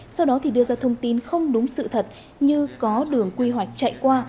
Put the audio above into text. sau đó thì đưa ra thông tin không đúng sự thật như có đường quy hoạch chạy qua